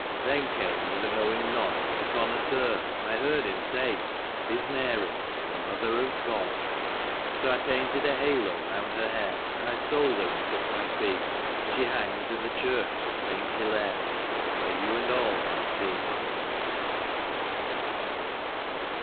Then came, with a knowing nod, A connoisseur, and I heard him say: " 'Tis Mary, the Mother of God." So I painted a halo round her hair, And I sold her, and took my fee, And she hangs in the church of Saint Hillaire, Where you and all may see.